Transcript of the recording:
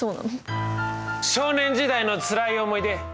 少年時代のつらい思い出